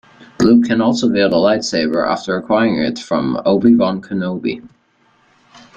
Luke can also wield a lightsaber after acquiring it from Obi Wan Kenobi.